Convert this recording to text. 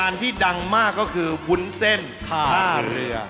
ที่ดังมากก็คือวุ้นเส้นท่าเรือ